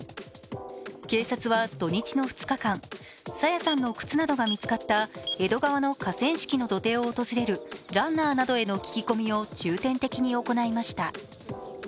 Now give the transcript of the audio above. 警察は土日の２日間、朝芽さんの靴などが見つかった江戸川の河川敷の土手を訪れるランナーなどへの聞き込みを重点的に行いました。